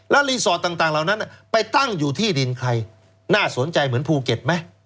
แล้วรีสอร์ทต่างเหล่านั้นไปตั้งอยู่ที่ดินใครน่าสนใจเหมือนภูเก็ตไหม